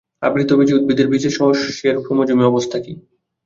আবৃতবীজী উদ্ভিদের বীজের সস্যের ক্রোমোজোমীয় অবস্থা কী?